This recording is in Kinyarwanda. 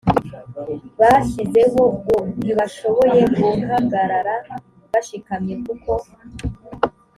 bashizeho u ntibashoboye guhagarara bashikamye kuko